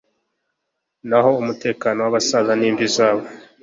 naho umutako w’abasaza ni imvi zabo